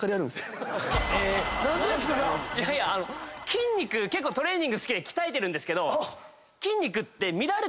筋肉結構トレーニング好きで鍛えてるんですけど。